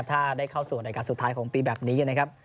ถ้าได้เข้าสู่รายการสุดท้ายของปีแบบนี้นะครับ